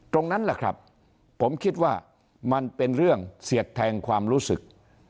ตรงนั้นแหละครับผมคิดว่ามันเป็นเรื่องเสียดแทงความรู้สึก